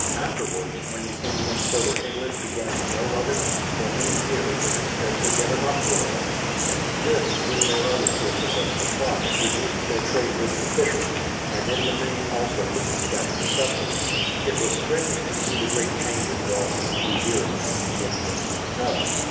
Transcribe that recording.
Afterwards, when the Indians further inland began to know of it, for many years they could scarcely get enough for them. This, with their other sources of supply, reduced their trade with the fishermen, and in the main also with the THE PLYMOUTH SETTLEMENT 193 scattered settlers. It was strange to see the great change it wrought in a few years among the Indians themselves.